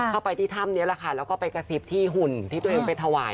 เข้าไปที่ถ้ำนี้แหละค่ะแล้วก็ไปกระซิบที่หุ่นที่ตัวเองไปถวาย